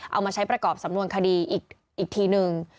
เอามาใช้ประกอบสำนวนคดีอีกทีนึง